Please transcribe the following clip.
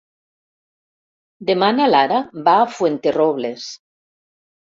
Demà na Lara va a Fuenterrobles.